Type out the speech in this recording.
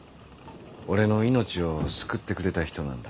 俺の命を救ってくれた人なんだ。